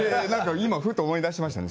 今ふと思い出しましたね。